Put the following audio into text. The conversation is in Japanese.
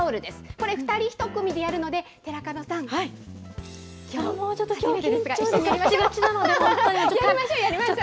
これ、２人１組でやるので、寺門きょうちょっと緊張、がちがやりましょう、やりましょう。